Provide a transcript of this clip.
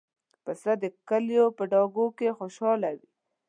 پسه د کلیو په ډاګونو کې خوشحال وي.